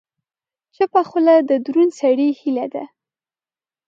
چپه خوله، د دروند سړي هیله ده.